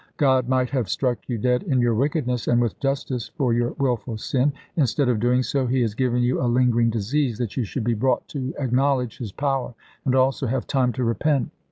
God might have struck you dead in your wickedness, and with justice, for your wilful sin. Instead of doing so, He has given you a lingering disease, that you should be brought to acknowledge His power and also have time to repent."